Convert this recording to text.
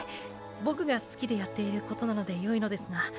ボクが好きでやっていることなのでよいのですが。